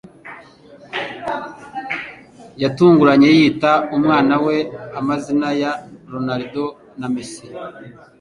yatunguranye yita umwana we amazina ya Ronaldo na Messi